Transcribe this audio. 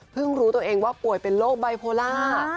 รู้ตัวเองว่าป่วยเป็นโรคไบโพล่า